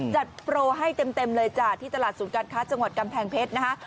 จัดโปรให้เต็มเลยจ้ะที่ตลาดศูนย์การค้าจังหวัดกำแพงเพชรนะคะ